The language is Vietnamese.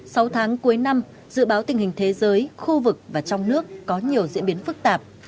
sau tháng cuối năm dự báo tình hình thế giới khu vực và trong nước có nhiều diễn biến phức tạp